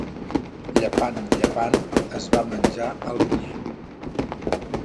Llepant, llepant, es va menjar el pollí.